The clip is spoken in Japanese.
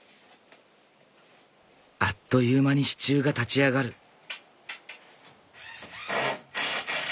あっという間に支柱が立ち上がる。